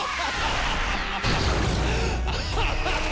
アハハハ！